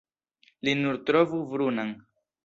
Li nur trovu brunan.